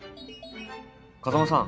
風真さん。